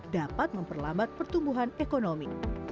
dapat memperlambat pertumbuhan ekonomi